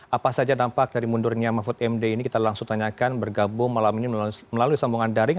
apa saja dampak dari mundurnya mahfud md ini kita langsung tanyakan bergabung malam ini melalui sambungan daring